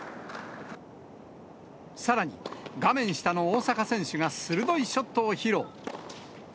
さらに、画面下の大坂選手が鋭いショットを披露。